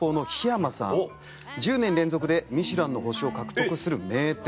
１０年連続でミシュランの星を獲得する名店。